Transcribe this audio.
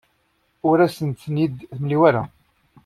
Ur asent-ten-id-temla ara.